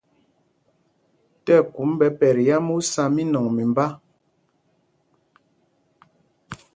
Tí ɛkum ɓɛ pɛt yǎm, ú sá mínɔŋ mimbá.